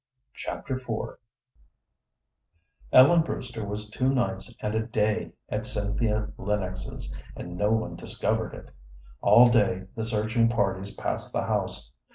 Chapter IV Ellen Brewster was two nights and a day at Cynthia Lennox's, and no one discovered it. All day the searching parties passed the house.